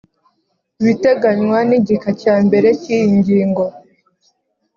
ibiteganywa n igika cya mbere cy’iyi ngingo